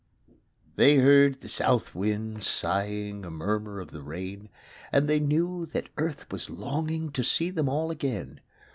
They heard the South wind sighing A murmur of the rain; And they knew that Earth was longing To see them all again.